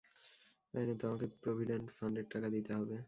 আইনত আমাকে প্রভিডেন্ট ফান্ডের টাকা দিতে হবে।